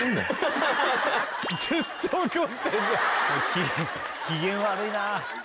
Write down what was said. ・き機嫌悪いな・